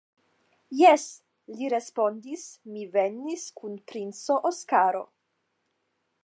Jes, li respondis mi venis kun princo Oskaro.